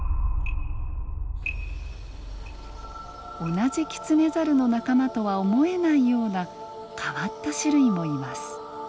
同じキツネザルの仲間とは思えないような変わった種類もいます。